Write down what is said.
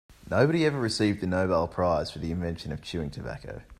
Nobody ever received the Nobel prize for the invention of chewing tobacco.